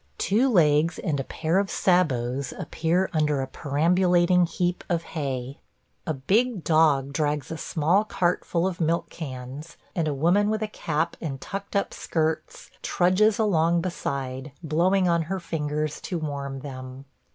Two legs and a pair of sabots appear under a perambulating heap of hay. A big dog drags a small cart full of milk cans, and a woman with a cap and tucked up skirts trudges along beside, blowing on her fingers to warm them.